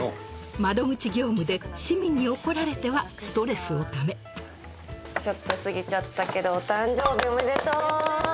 窓口業務で市民に怒られてはストレスをためちょっと過ぎちゃったけどお誕生日おめでとう！